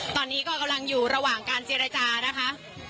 ตอนนี้ก็กำลังอยู่ระหว่างการเจรจานะคะ